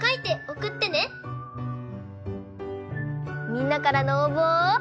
みんなからのおうぼを。